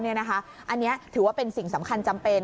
อันนี้ถือว่าเป็นสิ่งสำคัญจำเป็น